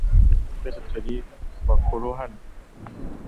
Twese turi bakuru hano .